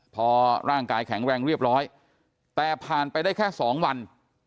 พอร่างกายแข็งแรงเรียบร้อยแต่ผ่านไปได้แค่๒วัน